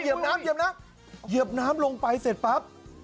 น้ำเหยียบน้ำเหยียบน้ำลงไปเสร็จปั๊บ